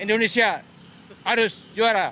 indonesia harus juara